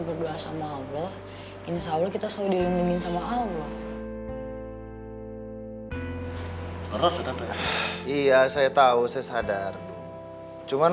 berdoa sama allah insya allah kita selalu dilindungi sama allah iya saya tahu saya sadar cuman